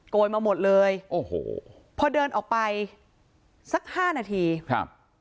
ยมาหมดเลยโอ้โหพอเดินออกไปสักห้านาทีครับ